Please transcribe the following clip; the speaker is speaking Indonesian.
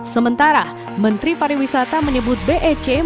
sementara menteri pariwisata menyebut bec menanggung